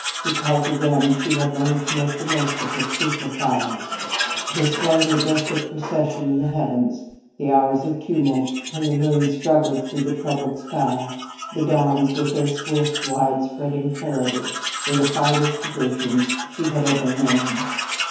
Because of them she had learned to make the most of her sleepless hours. The slow, majestic procession in the heavens, the hours of tumult when the moon struggled through the troubled sky, the dawns with their swift, wide spreading clarity, were the finest diversions she ever had known.